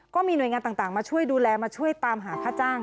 ก็มีหน่วยงานต่างมาช่วยดูแลมาช่วยตามหาค่าจ้าง